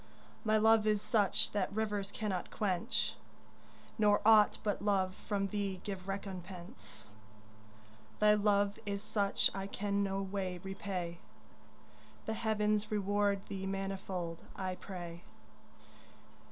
My love is such that rivers cannot quench, Nor aught but love from thee give recompense. Thy love is such I can no way repay, The heavens reward thee manifold, I pray.